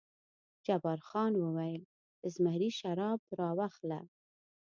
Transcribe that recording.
جبار خان وویل: زمري شراب راواخله.